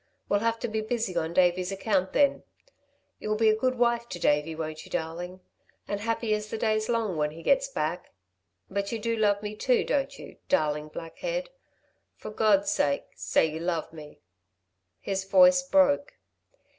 We'll have to be busy on Davey's account then. You'll be a good wife to Davey, won't you, darling? And happy as the day's long when he gets back. But you do love me, too, don't you, darling black head? For God's sake say you love me." His voice broke.